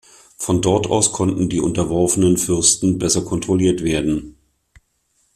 Von dort aus konnten die unterworfenen Fürsten besser kontrolliert werden.